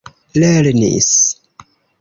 lernis